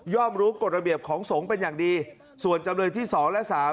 รู้กฎระเบียบของสงฆ์เป็นอย่างดีส่วนจำเลยที่๒และ๓